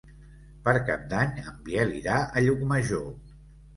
Per Cap d'Any en Biel irà a Llucmajor.